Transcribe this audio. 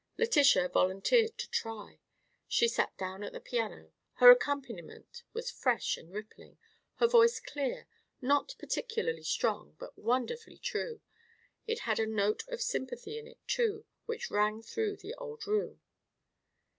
Letitia volunteered to try. She sat down to the piano; her accompaniment was fresh and rippling, her voice clear, not particularly strong, but wonderfully true. It had a note of sympathy in it too, which rang through the old room.